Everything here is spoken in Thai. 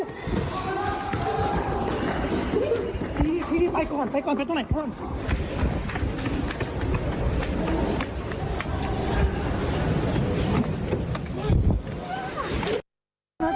พี่ไปก่อนไปตรงไหนพ่อ